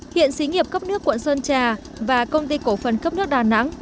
hiện xí nghiệp cấp nước quận sơn trà và công ty cổ phần cấp nước đà nẵng